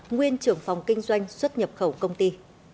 nguyên trưởng phòng kinh doanh xuất nhập khẩu công ty